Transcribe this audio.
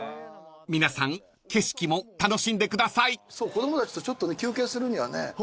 子供たちとちょっと休憩するにはね